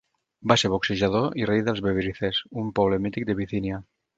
Va ser boxejador i rei dels Bebryces, un poble mític de Bithynia.